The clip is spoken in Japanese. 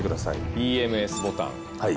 ＥＭＳボタンはい。